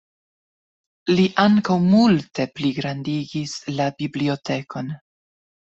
Li ankaŭ multe pligrandigis la bibliotekon.